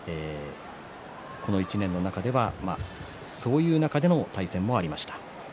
この１年の中ではそういう対戦もありました。